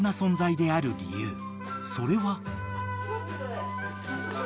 ［それは］